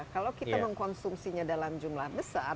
kalau kita mengkonsumsinya dalam jumlah besar